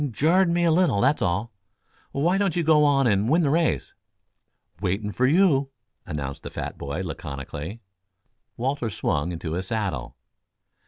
"Jarred me a little, that's all. Why don't you go on and win the race?" "Waiting for you," announced the fat boy laconically. Walter swung into his saddle.